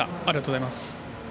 ありがとうございます。